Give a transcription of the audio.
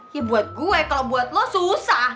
hi buat gue kalau buat lo susah